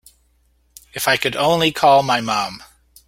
If I only could call my mom.